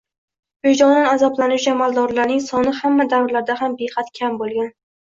vijdonan azoblanuvchi amaldorlarning soni hamma davrlarda ham behad kam bo’lgan.